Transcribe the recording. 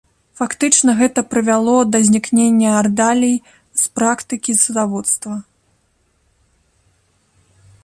Фактычна гэта прывяло да знікнення ардалій з практыкі судаводства.